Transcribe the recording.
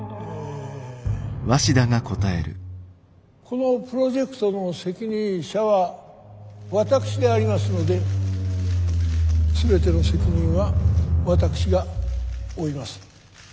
このプロジェクトの責任者は私でありますので全ての責任は私が負います。